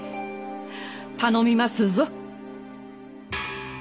頼みますぞ。